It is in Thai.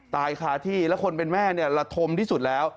ตายคาที่แล้วคนเป็นแม่เนี่ยระทมที่สุดแล้ว